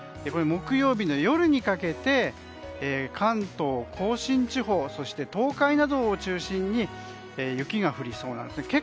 木曜日の夜にかけて関東・甲信地方そして、東海などを中心に雪が降りそうなんですね。